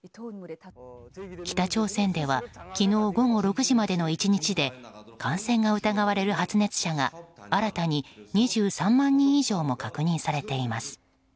北朝鮮では昨日午後６時までの１日で感染が疑われる発熱者が新たに２３万人以上も確認されています。